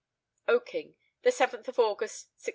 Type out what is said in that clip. "Oaking, the seventh of August, 1626."